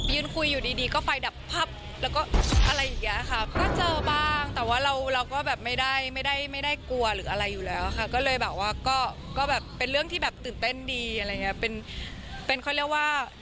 ยืนคุยอยู่ดีดีก็ไฟดับพับแล้วก็อะไรอย่างเงี้ยค่ะก็เจอบ้างแต่ว่าเราเราก็แบบไม่ได้ไม่ได้กลัวหรืออะไรอยู่แล้วค่ะก็เลยแบบว่าก็แบบเป็นเรื่องที่แบบตื่นเต้นดีอะไรอย่างเงี้ยเป็นเป็นเขาเรียกว่า